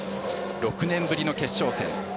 ６年ぶりの決勝戦。